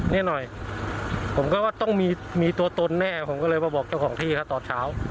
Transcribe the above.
นี่หน่อยผมก็ว่าต้องมีตัวตนแน่ผมก็เลยมาบอกเจ้าของที่เขาตอนเช้า